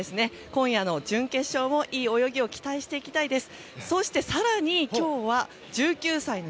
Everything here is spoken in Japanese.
今夜の準決勝も、いい泳ぎを期待していきたいです。